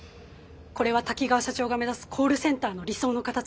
これは滝川社長が目指すコールセンターの理想の形です。